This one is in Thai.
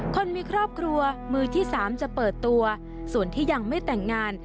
คนมีครอบครัวมือที่สามจะเปิดตัวส่วนที่ยังไม่แต่งงาน